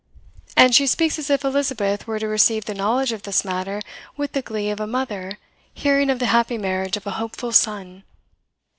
And she speaks as if Elizabeth were to receive the knowledge of this matter with the glee of a mother hearing of the happy marriage of a hopeful son!